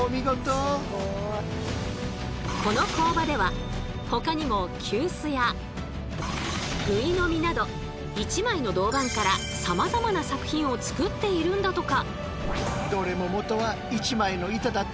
この工場ではほかにも急須やぐいのみなど１枚の銅板からさまざまな作品を作っているんだとか。